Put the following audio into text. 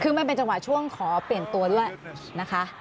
คือมันเป็นจังหวะช่วงขอเปลี่ยนตัวด้วยนะคะ